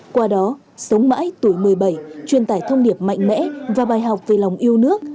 qua đó sống mãi tuổi một mươi bảy truyền tải thông điệp mạnh mẽ và bài học về lòng yêu nước